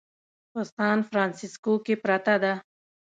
په سان فرانسیسکو کې پرته ده.